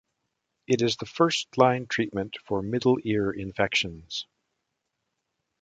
It is the first line treatment for middle ear infections.